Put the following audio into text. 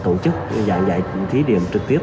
tổ chức dạng dạy thí điểm trực tiếp